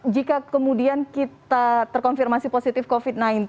jika kemudian kita terkonfirmasi positif covid sembilan belas